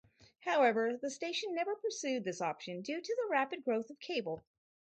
However, the station never pursued this option due to the rapid growth of cable.